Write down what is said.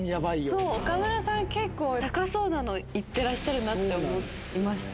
そう、岡村さん結構高そうなのいってらっしゃるなって思いました。